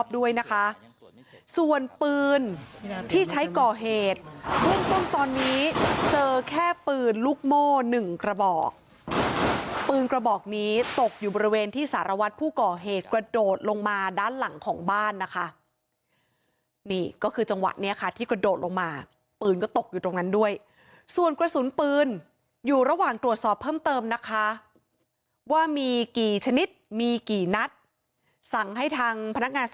ด้วยนะคะส่วนปืนที่ใช้ก่อเหตุเบื้องต้นตอนนี้เจอแค่ปืนลูกโม่๑กระบอกปืนกระบอกนี้ตกอยู่บริเวณที่สารวัตรผู้ก่อเหตุกระโดดลงมาด้านหลังของบ้านนะคะนี่ก็คือจังหวะนี้ค่ะที่กระโดดลงมาปืนก็ตกอยู่ตรงนั้นด้วยส่วนกระสุนปืนอยู่ระหว่างตรวจสอบเพิ่มเติมนะคะว่ามีกี่ชนิดมีกี่นัดสั่งให้ทางพนักงานส